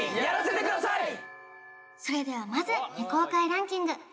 それではまず未公開ランキング